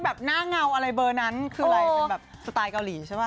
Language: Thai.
แบบหน้าเงาอะไรเบอร์นั้นคืออะไรเป็นแบบสไตล์เกาหลีใช่ป่